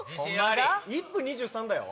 １分２３だよ？